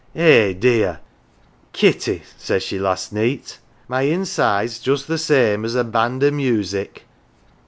Eh dear !' Kitty," says she last iieet, 'my inside's just same us a band o' music.